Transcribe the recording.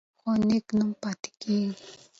خو نېک نوم پاتې کیږي.